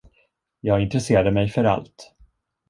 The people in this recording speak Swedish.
Jag intresserade mig för allt.